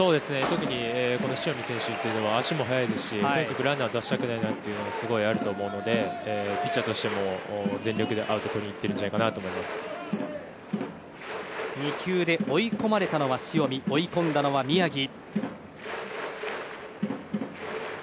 特に塩見選手は足も速いですしとにかくランナーを出したくないという思いがあると思うのでピッチャーとしても全力でアウトをとりにいっているんじゃ２球で追い込まれたのは塩見追い込んだのは宮城。